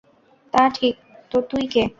তা ঠিক, তো তুই কে?